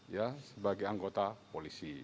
ya sebagai anggota polisi